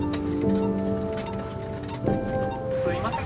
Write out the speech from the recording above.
・すいません